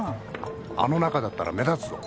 あの中だったら目立つぞ。